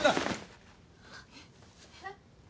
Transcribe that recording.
えっ。